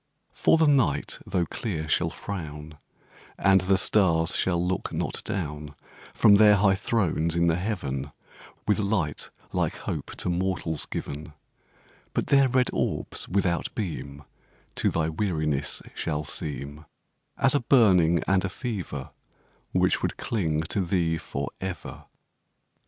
The night tho' clear shall frown And the stars shall not look down From their high thrones in the Heaven, With light like Hope to mortals given But their red orbs, without beam, To thy weariness shall seem As a burning and a fever Which would cling to thee forever.